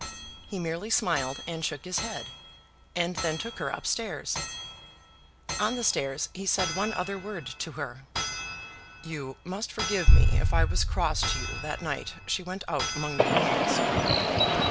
He merely smiled, and shook his head, and then took her up stairs. On the stairs he said one other word to her: "You must forgive me if I was cross to you that night she went out among the ruins."